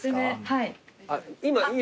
はい。